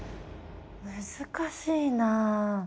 難しいな。